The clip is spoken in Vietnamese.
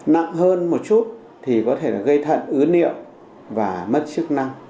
nặng hơn một chút thì có thể là gây thận ứ niệm và mất chức năng